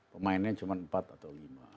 pemainnya cuma empat atau lima